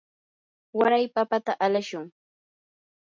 waray papata alashun.